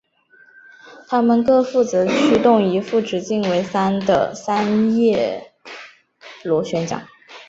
它们各负责驱动一副直径为的三叶螺旋桨。